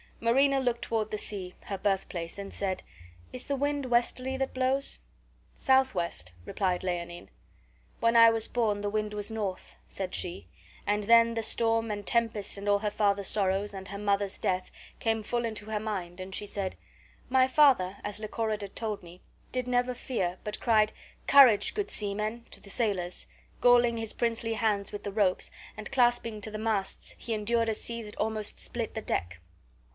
Marina looked toward the sea, her birthplace, and said, "Is the wind westerly that blows?" "Southwest," replied Leonine. "When I was born the wind was north," said she; and then the storm and tempest and all her father's sorrows, and her mother's death, came full into her mind, and she said, "My father, as Lychorida told me, did never fear, but cried, COURAGE, GOOD SEAMEN, to the sailors, galling his princely hands with the ropes, and, clasping to the masts, he endured a sea that almost split the deck."